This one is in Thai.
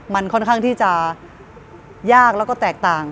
มันค่อนข้างที่จะยากแล้วก็แตกต่าง